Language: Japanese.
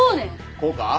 こうか？